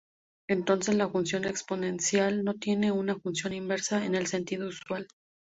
Entonces, la función exponencial no tiene una función inversa en el sentido usual.